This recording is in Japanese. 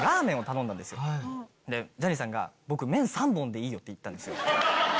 ジャニーさんが「僕麺３本でいいよ」って言ったんですよ。